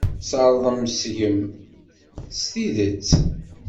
Sserḍen seg-m s tidet.